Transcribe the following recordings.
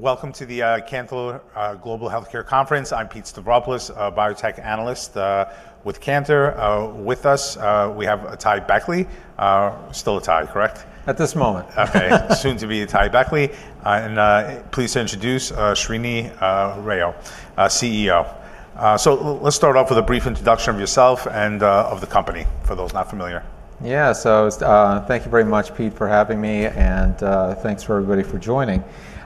Welcome to the Cantor Global Healthcare Conference. I'm Pete Stavropoulos, a Biotech Analyst with Cantor. With us, we have atai Beckley, still atai, correct? At this moment. Okay. Soon to be atai Beckley. Please introduce Srinivas Rao, CEO. Let's start off with a brief introduction of yourself and of the company for those not familiar. Yeah. Thank you very much, Pete, for having me, and thanks for everybody for joining.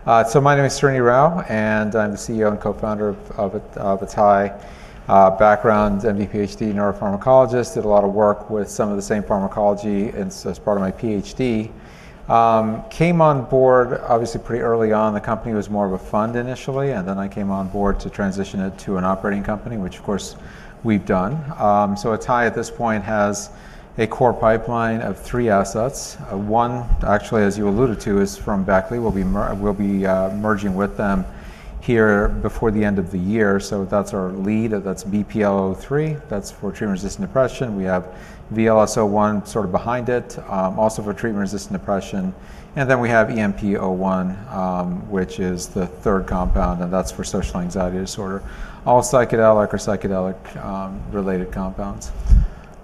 My name is Srinivas Rao, and I'm the CEO and co-founder of atai. Background, MD, PhD, neuropharmacologist. Did a lot of work with some of the same pharmacology as part of my PhD. Came on board, obviously, pretty early on. The company was more of a fund initially, and then I came on board to transition it to an operating company, which, of course, we've done. Atai, at this point, has a core pipeline of three assets. One, actually, as you alluded to, is from Beckley. We'll be merging with them here before the end of the year. That's our lead, that's BPL-003. That's for treatment-resistant depression. We have VLS-01, sort of behind it, also for treatment-resistant depression. We have EMP-01, which is the third compound, and that's for social anxiety disorder. All psychedelic or psychedelic-related compounds.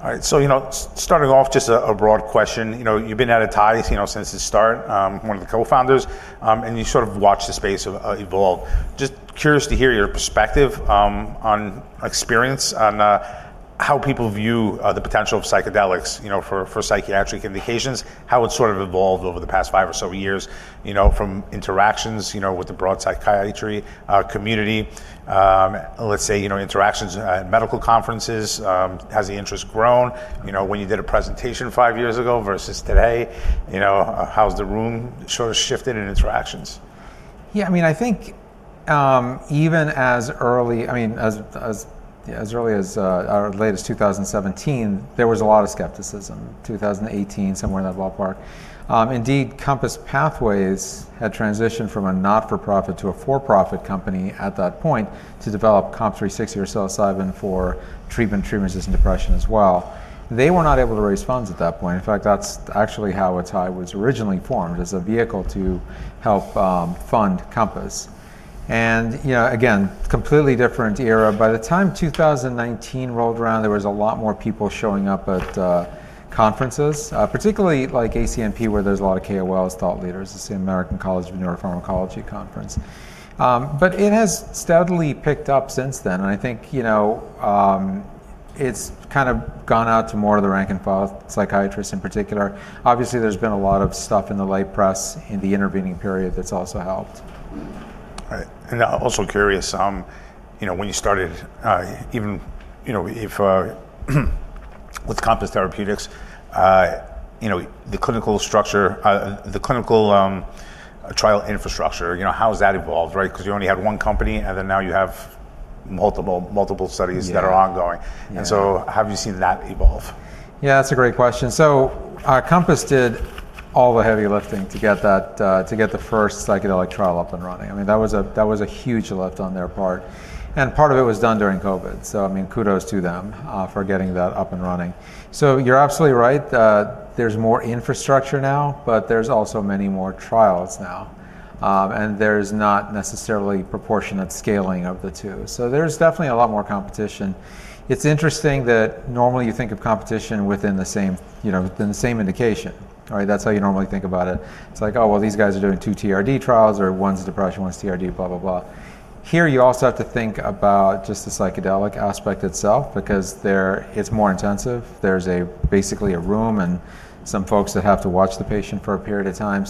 All right. Starting off, just a broad question. You've been at atai since its start, one of the Co-founders, and you sort of watched the space evolve. Just curious to hear your perspective on experience on how people view the potential of psychedelics for psychiatric indications, how it's sort of evolved over the past five or so years, from interactions with the broad psychiatry community, let's say, interactions at medical conferences. Has the interest grown? When you did a presentation five years ago versus today, how's the room sort of shifted in interactions? Yeah. I mean, I think even as early as our latest 2017, there was a lot of skepticism. 2018, somewhere in that ballpark. Indeed, Compass Pathways had transitioned from a not-for-profit to a for-profit company at that point to develop COMP360 or psilocybin for treatment of treatment-resistant depression as well. They were not able to raise funds at that point. In fact, that's actually how atai was originally formed as a vehicle to help fund Compass. Again, completely different era. By the time 2019 rolled around, there were a lot more people showing up at conferences, particularly like ACMP, where there's a lot of KOLs, thought leaders. It's the American College of Neuropharmacology Conference. It has steadily picked up since then. I think it's kind of gone out to more of the rank-and-file psychiatrists in particular. Obviously, there's been a lot of stuff in the lay press in the intervening period that's also helped. Right. I'm also curious, when you started, even with Compass Therapeutics, the clinical structure, the clinical trial infrastructure, how has that evolved? You only had one company, and now you have multiple studies that are ongoing. How have you seen that evolve? Yeah, that's a great question. Compass did all the heavy lifting to get the first psychedelic trial up and running. That was a huge lift on their part. Part of it was done during COVID, so kudos to them for getting that up and running. You're absolutely right. There's more infrastructure now, but there's also many more trials now. There's not necessarily proportionate scaling of the two. There's definitely a lot more competition. It's interesting that normally you think of competition within the same indication. That's how you normally think about it. It's like, oh, well, these guys are doing two TRD trials, or one's depression, one's TRD, blah, blah, blah. Here, you also have to think about just the psychedelic aspect itself because it's more intensive. There's basically a room and some folks that have to watch the patient for a period of time.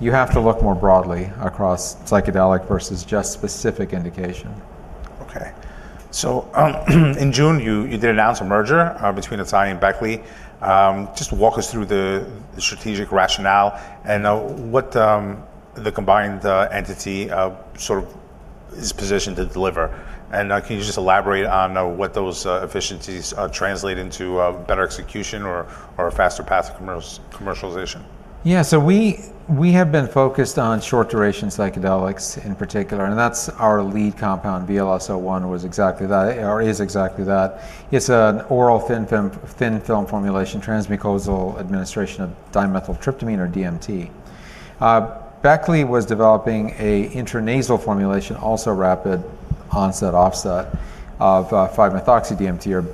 You have to look more broadly across psychedelic versus just specific indication. Okay. In June, you did announce a merger between atai and Beckley. Just walk us through the strategic rationale and what the combined entity is positioned to deliver. Can you elaborate on what those efficiencies translate into, better execution or a faster path to commercialization? Yeah. We have been focused on short-duration psychedelics in particular. That's our lead compound, VLS-01, which is exactly that. It's an oral thin film formulation, transmucosal administration of dimethyltryptamine, or DMT. Beckley was developing an intranasal formulation, also rapid onset, offset of 5-methoxy-DMT.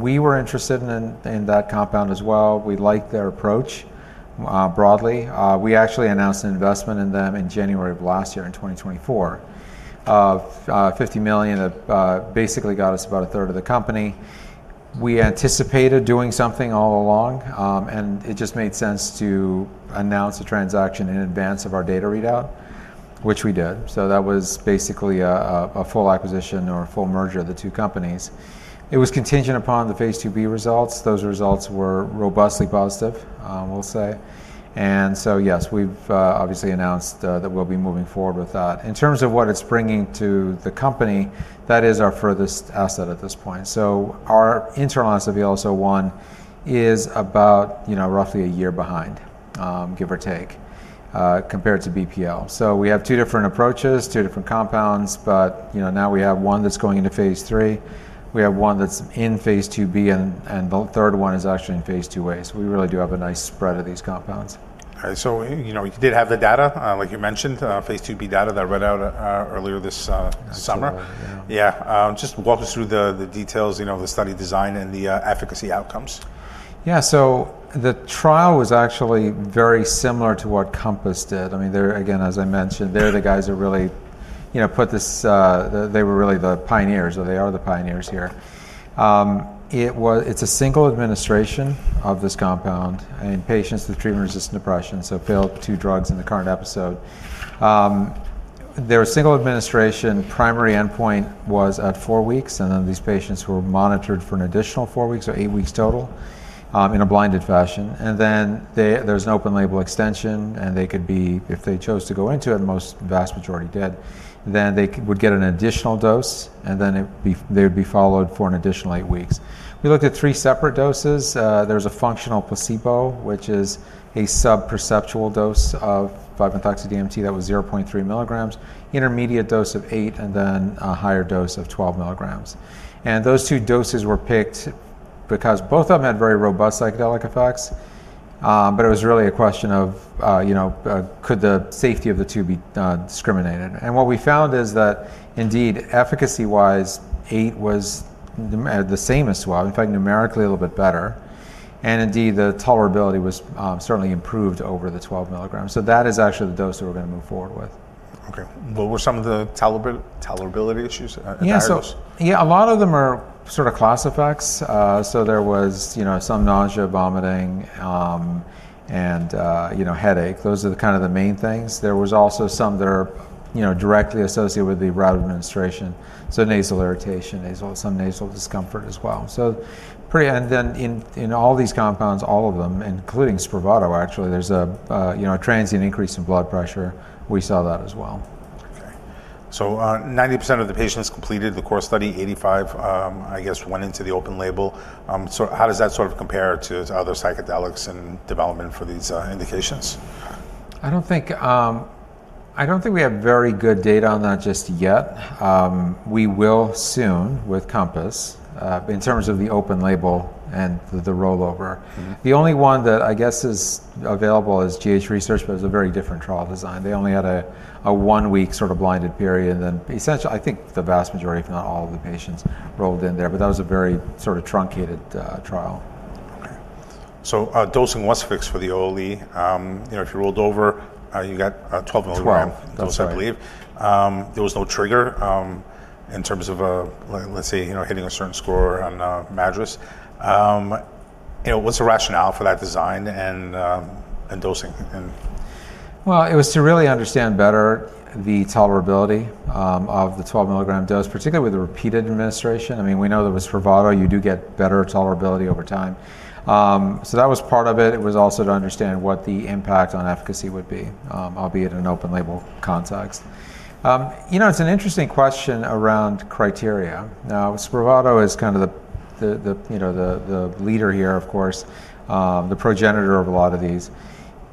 We were interested in that compound as well. We liked their approach broadly. We actually announced an investment in them in January of last year, in 2024, of $50 million. It basically got us about 1/3 of the company. We anticipated doing something all along, and it just made sense to announce a transaction in advance of our data readout, which we did. That was basically a full acquisition or a full merger of the two companies. It was contingent upon the phase II-B results. Those results were robustly positive, we'll say. Yes, we've obviously announced that we'll be moving forward with that. In terms of what it's bringing to the company, that is our furthest asset at this point. Our internal asset VLS-01 is about roughly a year behind, give or take, compared to BPL. We have two different approaches, two different compounds, but now we have one that's going into phase III. We have one that's in phase II-B, and the third one is actually in phase II-A. We really do have a nice spread of these compounds. All right. You did have the data, like you mentioned, phase II-B data that I read out earlier this summer. Yes. Yeah, just walk us through the details of the study design and the efficacy outcomes. Yeah. The trial was actually very similar to what Compass did. I mean, again, as I mentioned, they're the guys that really put this, they were really the pioneers, or they are the pioneers here. It's a single administration of this compound in patients with treatment-resistant depression, so failed two drugs in the current episode. They're a single administration. Primary endpoint was at four weeks, and these patients were monitored for an additional four weeks or eight weeks total in a blinded fashion. There's an open-label extension, and they could be, if they chose to go into it, and the vast majority did, then they would get an additional dose, and they would be followed for an additional eight weeks. We looked at three separate doses. There's a functional placebo, which is a subperceptual dose of 5-methoxy-DMT that was 0.3 mg, intermediate dose of 8 mg, and then a higher dose of 12 mg. Those two doses were picked because both of them had very robust psychedelic effects, but it was really a question of, you know, could the safety of the two be discriminated? What we found is that, indeed, efficacy-wise, 8 mg was the same as 12 mg, in fact, numerically a little bit better. Indeed, the tolerability was certainly improved over the 12 mg. That is actually the dose that we're going to move forward with. Okay. What were some of the tolerability issues? Yeah. A lot of them are sort of class effects. There was some nausea, vomiting, and headache. Those are kind of the main things. There was also some that are directly associated with the route of administration, so nasal irritation, some nasal discomfort as well. In all these compounds, all of them, including SPRAVATO actually, there's a transient increase in blood pressure. We saw that as well. Okay. 90% of the patients completed the core study, 85% went into the open label. How does that sort of compare to other psychedelics in development for these indications? I don't think we have very good data on that just yet. We will soon with Compass in terms of the open label and the rollover. The only one that I guess is available is GH Research, but it was a very different trial design. They only had a one-week sort of blinded period. Essentially, I think the vast majority, if not all of the patients, rolled in there, but that was a very sort of truncated trial. Okay. Dosing was fixed for the OOE. If you rolled over, you got 12 mg, I believe. 12 mg. There was no trigger in terms of, let's say, hitting a certain score on MADRS. What's the rationale for that design and dosing? It was to really understand better the tolerability of the 12 mg dose, particularly with the repeated administration. I mean, we know that with SPRAVATO, you do get better tolerability over time. That was part of it. It was also to understand what the impact on efficacy would be, albeit in an open-label context. You know, it's an interesting question around criteria. Now, SPRAVATO is kind of the leader here, of course, the progenitor of a lot of these.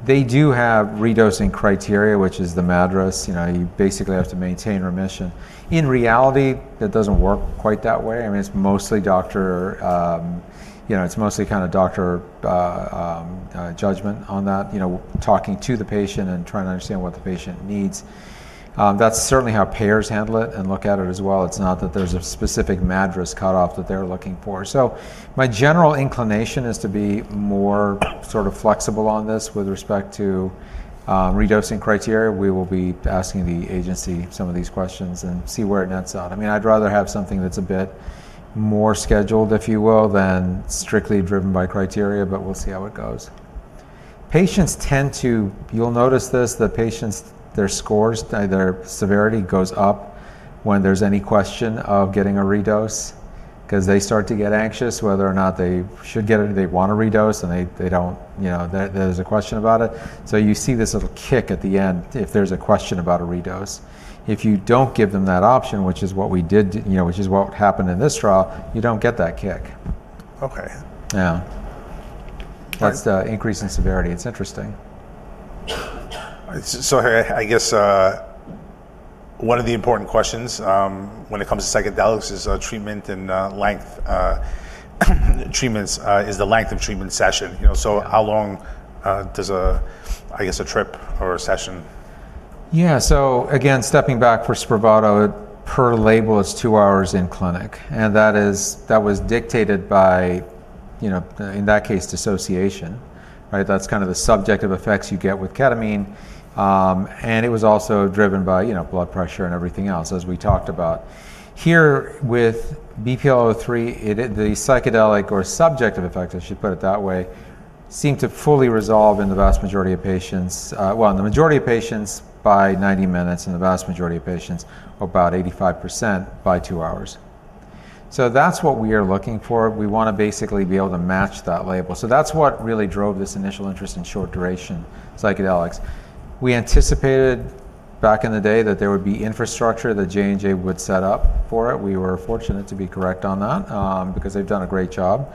They do have redosing criteria, which is the MADRS. You basically have to maintain remission. In reality, that doesn't work quite that way. I mean, it's mostly doctor, you know, it's mostly kind of doctor judgment on that, you know, talking to the patient and trying to understand what the patient needs. That's certainly how payers handle it and look at it as well. It's not that there's a specific MADRS cutoff that they're looking for. My general inclination is to be more sort of flexible on this with respect to redosing criteria. We will be asking the agency some of these questions and see where it nets out. I'd rather have something that's a bit more scheduled, if you will, than strictly driven by criteria, but we'll see how it goes. Patients tend to, you'll notice this, that patients, their scores, their severity goes up when there's any question of getting a redose, because they start to get anxious whether or not they should get it or they want to redose, and they don't, you know, there's a question about it. You see this little kick at the end if there's a question about a redose. If you don't give them that option, which is what we did, you know, which is what happened in this trial, you don't get that kick. Okay. Yeah, that's the increase in severity. It's interesting. I guess one of the important questions when it comes to psychedelics is treatment and length. Treatment is the length of treatment session. You know, how long does a, I guess, a trip or a session? Yeah. Again, stepping back for SPRAVATO, per label is two hours in clinic. That was dictated by, you know, in that case, dissociation, right? That's kind of the subjective effects you get with ketamine. It was also driven by, you know, blood pressure and everything else, as we talked about. Here with BPL-003, the psychedelic or subjective effects, I should put it that way, seem to fully resolve in the vast majority of patients. In the majority of patients by 90 minutes, in the vast majority of patients, about 85% by two hours. That's what we are looking for. We want to basically be able to match that label. That's what really drove this initial interest in short-duration psychedelics. We anticipated back in the day that there would be infrastructure that J&J would set up for it. We were fortunate to be correct on that because they've done a great job.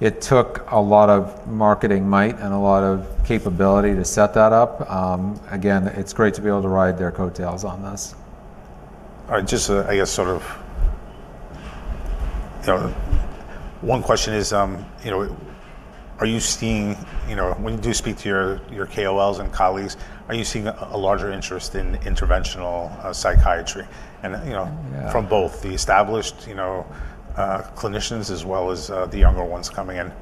It took a lot of marketing might and a lot of capability to set that up. Again, it's great to be able to ride their coattails on this. All right. I guess, sort of one question is, you know, are you seeing, you know, when you do speak to your KOLs and colleagues, are you seeing a larger interest in interventional psychiatry? You know, from both the established clinicians, as well as the younger ones coming in?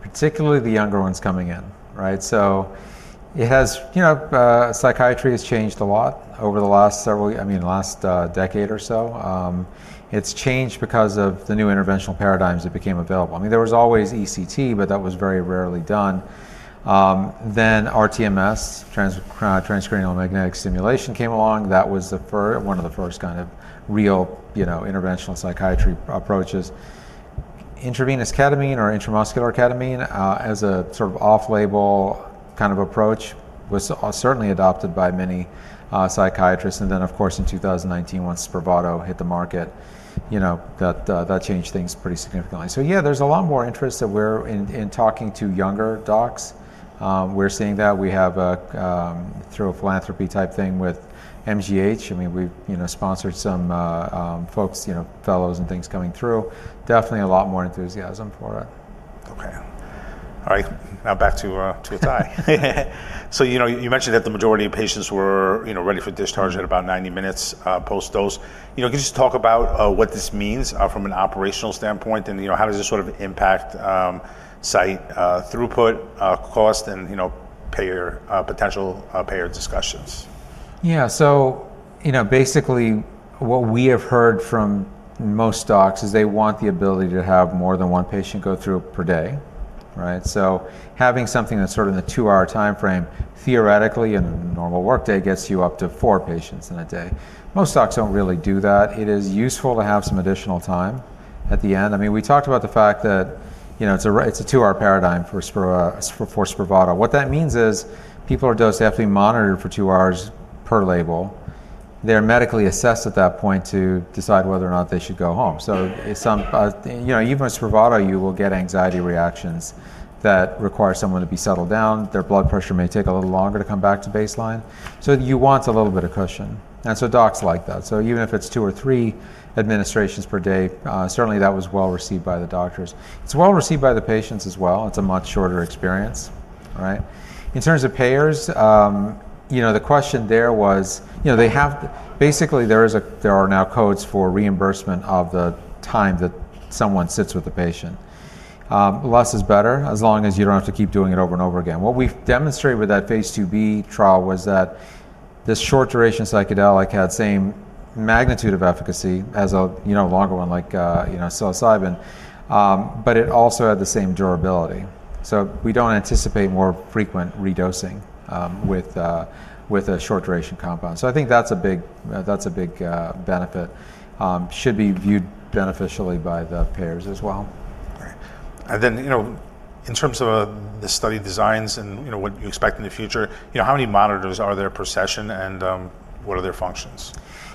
Particularly the younger ones coming in, right? Psychiatry has changed a lot over the last several, I mean, the last decade or so. It's changed because of the new interventional paradigms that became available. There was always ECT, but that was very rarely done. rTMS, transcranial magnetic stimulation, came along. That was one of the first kind of real interventional psychiatry approaches. Intravenous ketamine or intramuscular ketamine as a sort of off-label kind of approach was certainly adopted by many psychiatrists. In 2019, once SPRAVATO hit the market, that changed things pretty significantly. There is a lot more interest that we're in talking to younger docs. We're seeing that. We have, through a philanthropy type thing with MGH, sponsored some folks, fellows and things coming through. Definitely a lot more enthusiasm for it. Okay. All right. Now back to atai. You mentioned that the majority of patients were ready for discharge at about 90 minutes post-dose. Could you just talk about what this means from an operational standpoint? How does this sort of impact site throughput, cost, and payer potential, payer discussions? Yeah. Basically, what we have heard from most docs is they want the ability to have more than one patient go through per day, right? Having something that's sort of in the two-hour time frame, theoretically, in a normal workday, gets you up to four patients in a day. Most docs don't really do that. It is useful to have some additional time at the end. We talked about the fact that it's a two-hour paradigm for SPRAVATO. What that means is people are dose-heavily monitored for two hours per label. They're medically assessed at that point to decide whether or not they should go home. Even with SPRAVATO, you will get anxiety reactions that require someone to be settled down. Their blood pressure may take a little longer to come back to baseline. You want a little bit of cushion. Docs like that. Even if it's two or three administrations per day, certainly that was well-received by the doctors. It's well-received by the patients as well. It's a much shorter experience, right? In terms of payers, the question there was, basically, there are now codes for reimbursement of the time that someone sits with the patient. Less is better, as long as you don't have to keep doing it over and over again. What we've demonstrated with that phase II-B trial was that this short-duration psychedelic had the same magnitude of efficacy as a longer one like psilocybin, but it also had the same durability. We don't anticipate more frequent redosing with a short-duration compound. I think that's a big benefit. Should be viewed beneficially by the payers as well. All right. In terms of the study designs and what you expect in the future, how many monitors are there per session and what are their functions?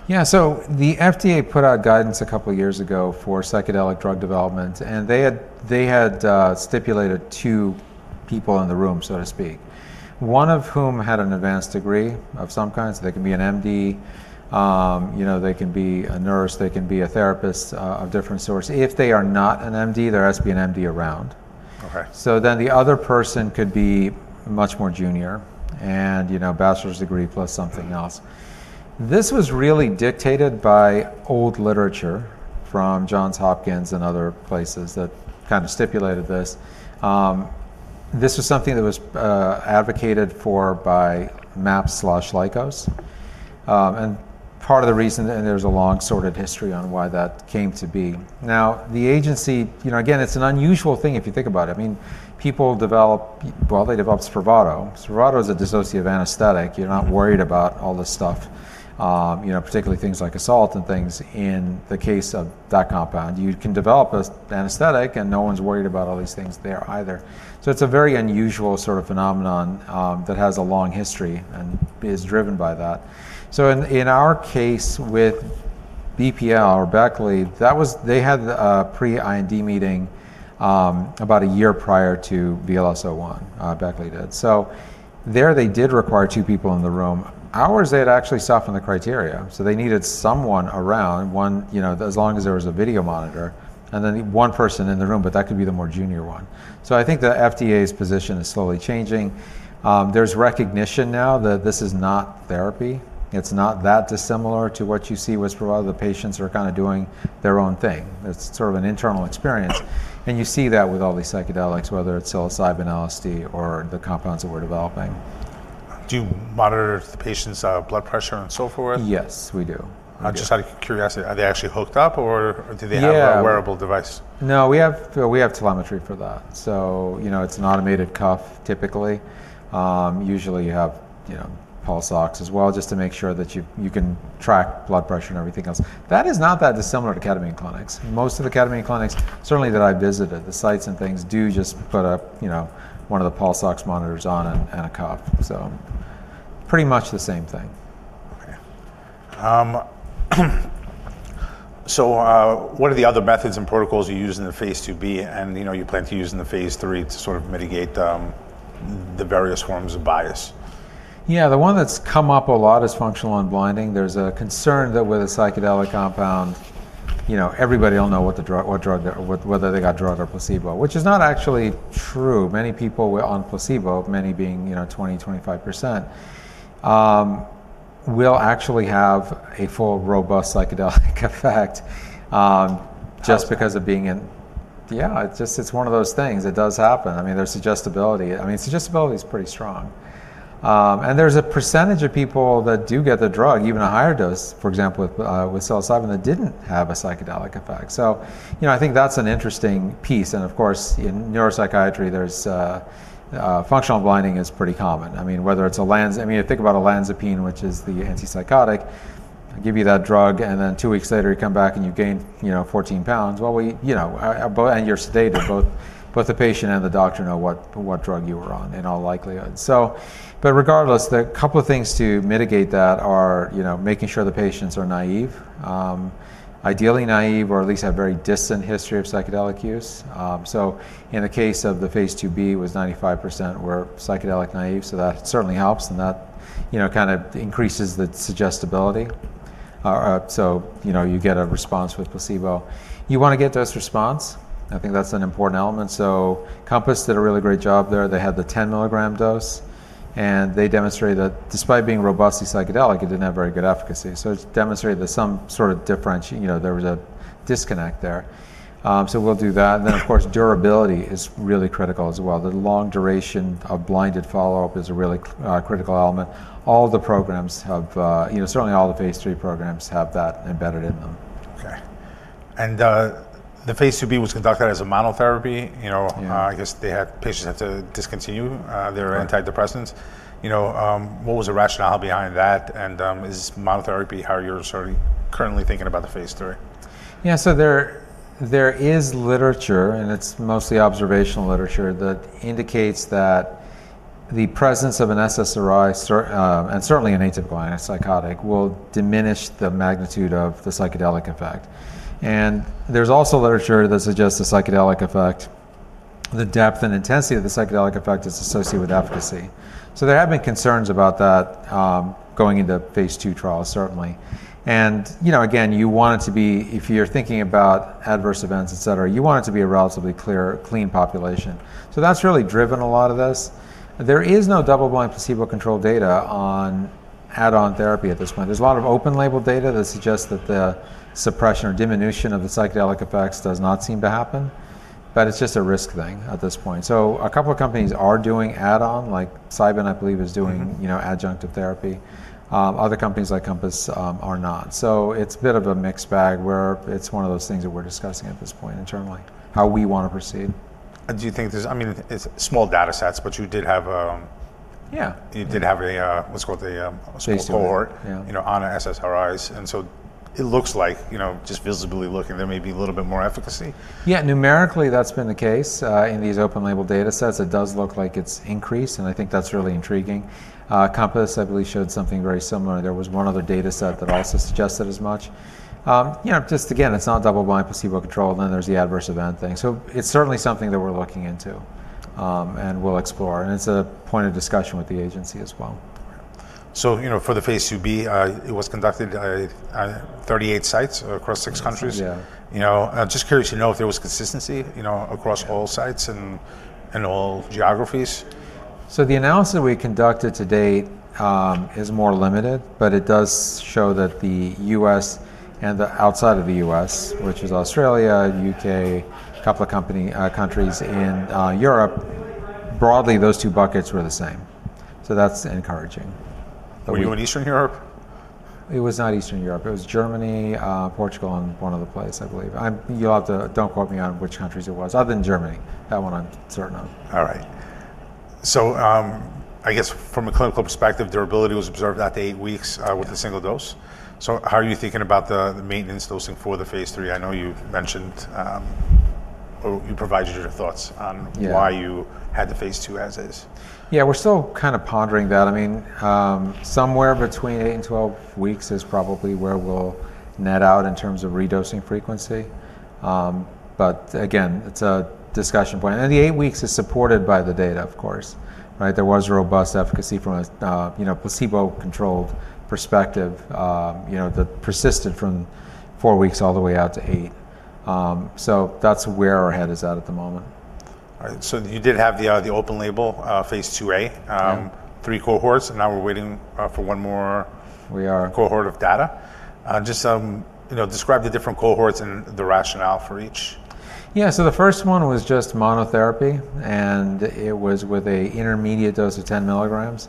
The FDA put out guidance a couple of years ago for psychedelic drug development. They had stipulated two people in the room, so to speak, one of whom had an advanced degree of some kind. They can be an MD, they can be a nurse, they can be a therapist of different sorts. If they are not an MD, there has to be an MD around. Okay. The other person could be much more junior and, you know, Bachelor's Degree plus something else. This was really dictated by old literature from Johns Hopkins and other places that kind of stipulated this. This was something that was advocated for by MAPS/Lykos. Part of the reason, and there's a long sordid history on why that came to be. Now, the agency, you know, again, it's an unusual thing if you think about it. I mean, people develop, well, they develop SPRAVATO. SPRAVATO is a dissociative anesthetic. You're not worried about all this stuff, you know, particularly things like assault and things in the case of that compound. You can develop an anesthetic and no one's worried about all these things there either. It's a very unusual sort of phenomenon that has a long history and is driven by that. In our case with BPL or Beckley, they had a pre-IND meeting about a year prior to VLS-01. Beckley did. There they did require two people in the room. Ours, they had actually softened the criteria. They needed someone around, one, you know, as long as there was a video monitor, and then one person in the room, but that could be the more junior one. I think the FDA's position is slowly changing. There's recognition now that this is not therapy. It's not that dissimilar to what you see with SPRAVATO. The patients are kind of doing their own thing. It's sort of an internal experience. You see that with all these psychedelics, whether it's psilocybin, LSD, or the compounds that we're developing. Do you monitor the patient's blood pressure and so forth? Yes, we do. Just out of curiosity, are they actually hooked up, or do they have a wearable device? No, we have telemetry for that. It's an automated cuff typically. Usually, you have pulse ox as well just to make sure that you can track blood pressure and everything else. That is not that dissimilar to ketamine clinics. Most of the ketamine clinics, certainly that I visited, the sites and things do just put a pulse ox monitor on and a cuff. Pretty much the same thing. Okay. What are the other methods and protocols you use in the phase II-B, and you know, you plan to use in the phase III to sort of mitigate the various forms of bias? Yeah. The one that's come up a lot is functional unblinding. There's a concern that with a psychedelic compound, you know, everybody will know what drug, whether they got drug or placebo, which is not actually true. Many people on placebo, many being, you know, 20%, 25%, will actually have a full robust psychedelic effect just because of being in, yeah, it's just, it's one of those things. It does happen. I mean, there's suggestibility. Suggestibility is pretty strong. There's a percentage of people that do get the drug, even a higher dose, for example, with psilocybin that didn't have a psychedelic effect. I think that's an interesting piece. In neuropsychiatry, functional blinding is pretty common. I mean, think about olanzapine, which is the antipsychotic. I'll give you that drug and then two weeks later you come back and you gained, you know, 14 lbs. We, you know, and you're sedated. Both the patient and the doctor know what drug you were on in all likelihood. Regardless, a couple of things to mitigate that are making sure the patients are naïve, ideally naïve, or at least have a very distant history of psychedelic use. In the case of the phase II-B, it was 95% were psychedelic naïve. That certainly helps. That kind of increases the suggestibility. You get a response with placebo. You want to get dose response. I think that's an important element. Compass did a really great job there. They had the 10 mg dose. They demonstrated that despite being robustly psychedelic, it didn't have very good efficacy. It's demonstrated that some sort of different, you know, there was a disconnect there. We'll do that. Durability is really critical as well. The long duration of blinded follow-up is a really critical element. All of the programs have, certainly all the phase III programs have that embedded in them. Okay. The phase II-B was conducted as a monotherapy. I guess patients had to discontinue their antidepressants. What was the rationale behind that? Is monotherapy how you're sort of currently thinking about the phase III? Yeah. There is literature, and it's mostly observational literature, that indicates that the presence of an SSRI and certainly an atypical antipsychotic will diminish the magnitude of the psychedelic effect. There's also literature that suggests the psychedelic effect, the depth and intensity of the psychedelic effect, is associated with efficacy. There have been concerns about that going into phase II trials, certainly. You want it to be, if you're thinking about adverse events, etc., a relatively clear, clean population. That's really driven a lot of this. There is no double-blind placebo-controlled data on add-on therapy at this point. There's a lot of open-label data that suggests that the suppression or diminution of the psychedelic effects does not seem to happen. It's just a risk thing at this point. A couple of companies are doing add-on, like Cybin, I believe, is doing adjunctive therapy. Other companies like Compass are not. It's a bit of a mixed bag where it's one of those things that we're discussing at this point internally, how we want to proceed. Do you think there's, I mean, it's small data sets, but you did have a, let's call it a cohort, you know, on SSRIs. It looks like, just visibly looking, there may be a little bit more efficacy. Yeah. Numerically, that's been the case in these open-label data sets. It does look like it's increased. I think that's really intriguing. Compass, I believe, showed something very similar. There was one other data set that also suggested as much. It's not double-blind placebo control. There's the adverse event thing. It's certainly something that we're looking into and we'll explore. It's a point of discussion with the agency as well. For the phase II-B, it was conducted at 38 sites across six countries. Yeah. I'm just curious to know if there was consistency across all sites and all geographies. The analysis that we conducted to date is more limited, but it does show that the U.S. and the outside of the U.S., which is Australia, U.K., a couple of countries in Europe, broadly, those two buckets were the same. That's encouraging. Were you in Eastern Europe? It was not Eastern Europe. It was Germany, Portugal, and one other place, I believe. You'll have to, don't quote me on which countries it was, other than Germany. That one I'm certain of. All right. I guess from a clinical perspective, durability was observed at the eight weeks with a single dose. How are you thinking about the maintenance dosing for the phase III? I know you mentioned, or you provided your thoughts on why you had the phase II as is. Yeah. We're still kind of pondering that. I mean, somewhere between eight and 12 weeks is probably where we'll net out in terms of redosing frequency. Again, it's a discussion point. The eight weeks is supported by the data, of course, right? There was robust efficacy from a placebo-controlled perspective. You know, that persisted from four weeks all the way out to eight. That's where our head is at at the moment. All right. You did have the open-label phase II-A, three cohorts, and now we're waiting for one more cohort of data. Just describe the different cohorts and the rationale for each. Yeah. The first one was just monotherapy, and it was with an intermediate dose of 10 mg.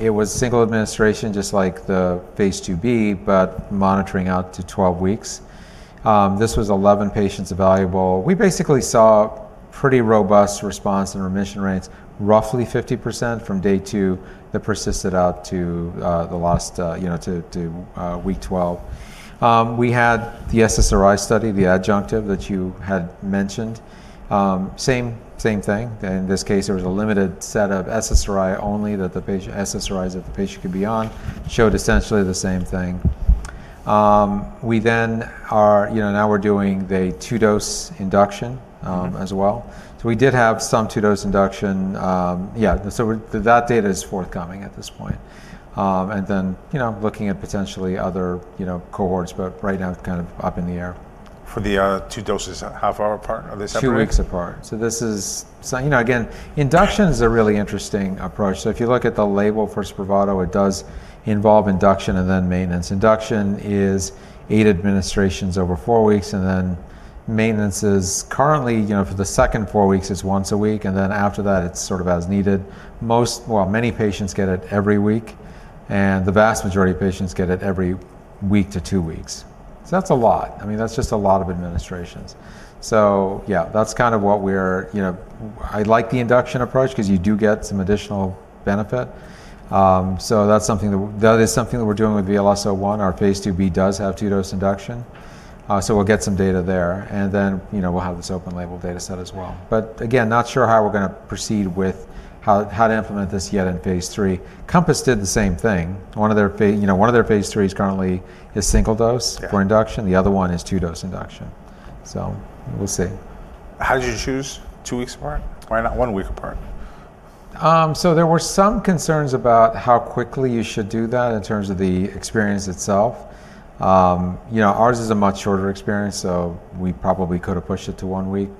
It was single administration, just like the phase II-B, but monitoring out to 12 weeks. This was 11 patients evaluable. We basically saw pretty robust response and remission rates, roughly 50% from day two that persisted out to week 12. We had the SSRI study, the adjunctive that you had mentioned. In this case, there was a limited set of SSRI only that the patient, SSRIs that the patient could be on, showed essentially the same thing. We are now doing the two-dose induction as well. We did have some two-dose induction. That data is forthcoming at this point. Looking at potentially other cohorts, but right now it's kind of up in the air. For the two doses, half hour apart, of this? Two weeks apart. This is, you know, again, induction is a really interesting approach. If you look at the label for SPRAVATO, it does involve induction and then maintenance. Induction is eight administrations over four weeks, and then maintenance is currently, you know, for the second four weeks is once a week, and then after that it's sort of as needed. Many patients get it every week, and the vast majority of patients get it every week to two weeks. That's a lot. That's just a lot of administrations. I like the induction approach because you do get some additional benefit. That's something that we're doing with VLS-01. Our phase II-B does have two-dose induction. We'll get some data there, and then we'll have this open-label data set as well. Again, not sure how we're going to proceed with how to implement this yet in phase III. Compass did the same thing. One of their phase IIIs currently is single dose for induction. The other one is two-dose induction. We'll see. How did you choose two weeks apart or not one week apart? There were some concerns about how quickly you should do that in terms of the experience itself. Ours is a much shorter experience, so we probably could have pushed it to one week.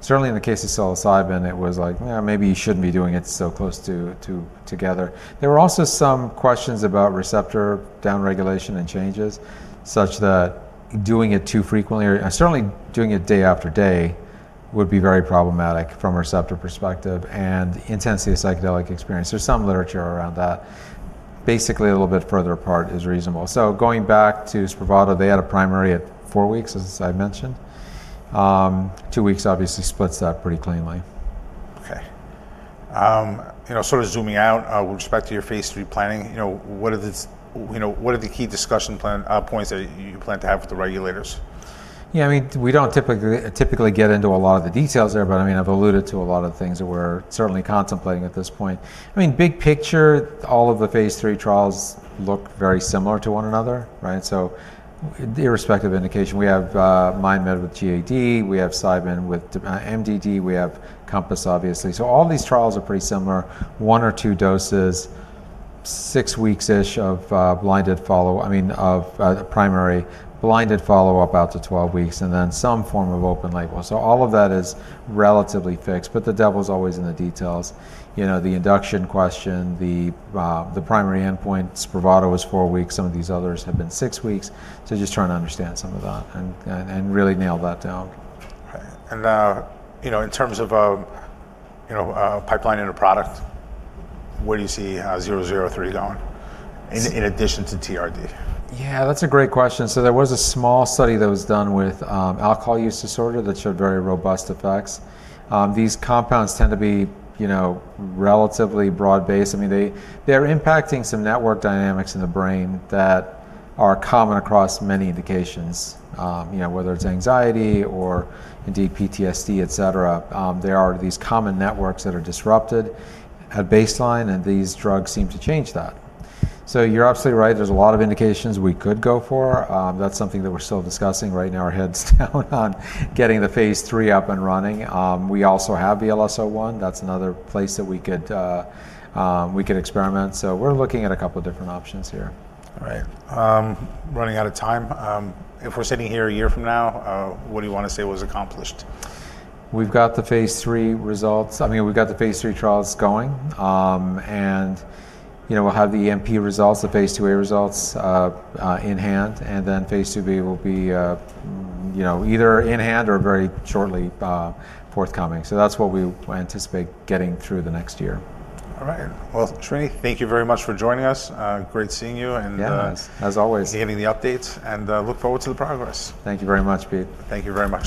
Certainly in the case of psilocybin, it was like, you know, maybe you shouldn't be doing it so close together. There were also some questions about receptor downregulation and changes such that doing it too frequently, or certainly doing it day after day, would be very problematic from a receptor perspective and intensity of psychedelic experience. There's some literature around that. Basically, a little bit further apart is reasonable. Going back to SPRAVATO, they had a primary at four weeks, as I mentioned. Two weeks obviously splits that pretty cleanly. Okay. You know, sort of zooming out with respect to your phase III planning, what are the key discussion points that you plan to have with the regulators? Yeah. I mean, we don't typically get into a lot of the details there, but I've alluded to a lot of things that we're certainly contemplating at this point. Big picture, all of the phase IIIs look very similar to one another, right? Irrespective of indication, we have MindMed with GAD, Cybin with MDD, and Compass, obviously. All these trials are pretty similar: one or two doses, six weeks-ish of blinded follow-up, I mean, of primary blinded follow-up out to 12 weeks, and then some form of open label. All of that is relatively fixed, but the devil's always in the details. The induction question, the primary endpoint, SPRAVATO was four weeks. Some of these others have been six weeks. Just trying to understand some of that and really nail that down. Now, in terms of a pipeline and a product, where do you see 003 going in addition to TRD? Yeah, that's a great question. There was a small study that was done with alcohol use disorder that showed very robust effects. These compounds tend to be relatively broad-based. I mean, they're impacting some network dynamics in the brain that are common across many indications, whether it's anxiety or indeed PTSD, etc. There are these common networks that are disrupted at baseline, and these drugs seem to change that. You're absolutely right. There's a lot of indications we could go for. That's something that we're still discussing. Right now, our head's down on getting the phase III up and running. We also have VLS-01. That's another place that we could experiment. We're looking at a couple of different options here. All right. Running out of time. If we're sitting here a year from now, what do you want to say was accomplished? We've got the phase III trials going. We'll have the EMP results, the phase II-A results in hand. Phase II-B will be either in hand or very shortly forthcoming. That's what we anticipate getting through the next year. All right. Srini, thank you very much for joining us. Great seeing you. Yeah, as always. Getting the updates, and look forward to the progress. Thank you very much, Pete. Thank you very much.